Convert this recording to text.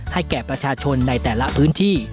แก่ประชาชนในแต่ละพื้นที่